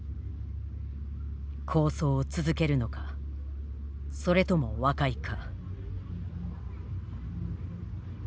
抗争を続けるのかそれとも和解か。